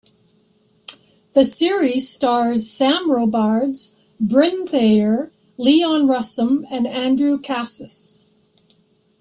The series stars Sam Robards, Brynn Thayer, Leon Russom and Andrew Cassese.